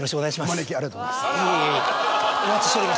お招きありがとうございます。